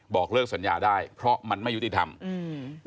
บอกเลิกสัญญาได้เพราะมันไม่ยุติธรรมอืม